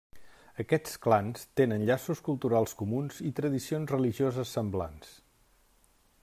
Aquests clans tenen llaços culturals comuns i tradicions religioses semblants.